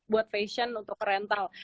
buat passion untuk rental